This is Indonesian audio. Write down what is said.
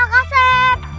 oh kita mau itu